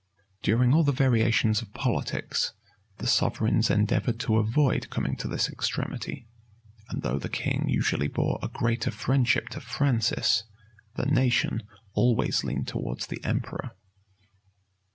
During all the variations of politics, the sovereigns endeavored to avoid coming to this extremity; and though the king usually bore a greater friendship to Francis, the nation always leaned towards the emperor.